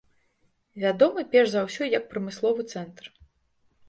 Вядомы перш за ўсё як прамысловы цэнтр.